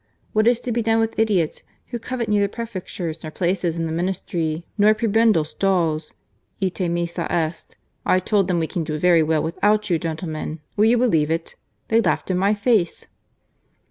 What is to be done with idiots who covet neither prefec tures nor places in the Ministry nor prebendal stalls? Ite missa est, I told them we can do very well without you, gentlemen. Will you believe it? they laughed in my face